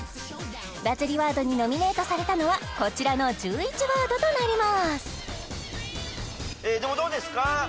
バズりワードにノミネートされたのはこちらの１１ワードとなります